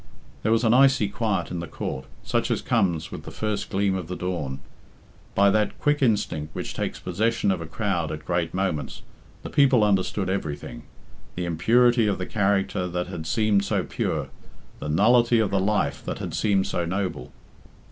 There was an icy quiet in the court, such as comes with the first gleam of the dawn. By that quick instinct which takes possession of a crowd at great moments, the people understood everything the impurity of the character that had seemed so pure, the nullity of the life that had seemed so noble.